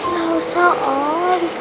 gak usah om